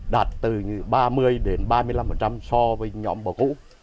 đạt từ ba mươi ba mươi năm so với nhóm bò cũ